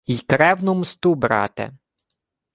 — Й кревну мсту, брате.